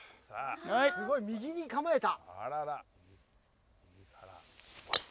すごい右に構えた。